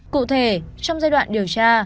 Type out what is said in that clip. cụ thể trong giai đoạn điều tra